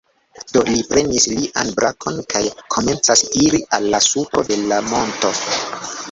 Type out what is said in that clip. Do li prenis lian brakon kaj komencas iri al la supro de la monto.